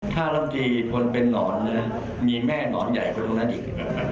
ถ้าจริงคนเป็นนอนเนี่ยมีแม่นอนใหญ่กว่านั้นอีก